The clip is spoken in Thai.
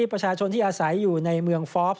ประชาชนที่อาศัยอยู่ในเมืองฟอล์ฟ